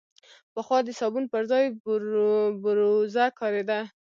پخوا د صابون پر ځای بوروزه کارېده.